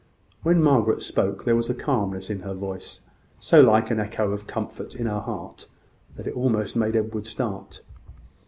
When Margaret spoke, there was a calmness in her voice, so like an echo of comfort in her heart, that it almost made Edward start.